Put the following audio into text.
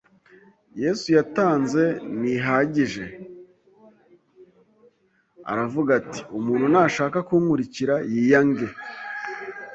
Yesu yatanze ntigihagije? Aravuga ati, “Umuntu nashaka kunkurikira yiyange,